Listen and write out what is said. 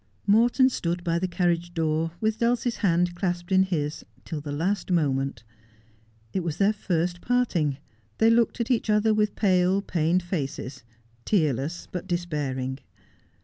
Morton stood by the carriage door, with Dulcie's hand clasped in his, till the last moment. It was their first parting. They looked at each other with pale, pained faces, tearless but despair ing.